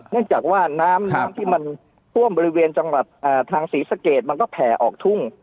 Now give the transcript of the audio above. เนื่องจากว่าน้ำน้ำที่มันท่วมบริเวณจังหวัดทางศรีสะเกดมันก็แผ่ออกทุ่ง